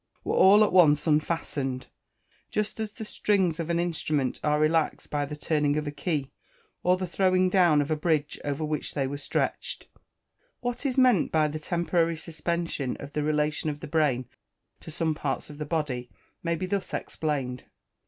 were all at once unfastened, just as the strings of an instrument are relaxed by the turning of a key, or the throwing down of a bridge over which they were stretched. What is meant by the temporary suspension of the relation of the brain to some parts of the body, may be thus explained.